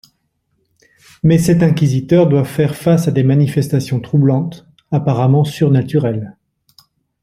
Mais cet inquisiteur doit faire face à des manifestations troublantes, apparemment surnaturelles.